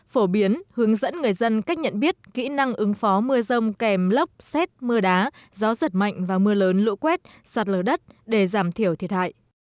phổ biến hướng dẫn người dân cách nhận biết kỹ năng ứng phó mưa rông kèm lốc xét mưa đá gió giật mạnh và mưa lớn lũ quét sạt lở đất để giảm thiểu thiệt hại